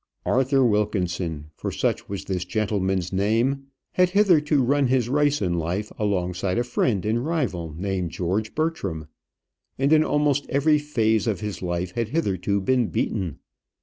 Arthur Wilkinson, for such was this gentleman's name, had hitherto run his race in life alongside a friend and rival named George Bertram; and in almost every phase of life had hitherto been beaten.